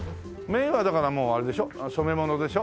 綿はだからもうあれでしょ染め物でしょ？